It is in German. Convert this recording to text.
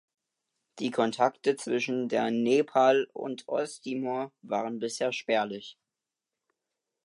Die Kontakte zwischen der Nepal und Osttimor waren bisher spärlich.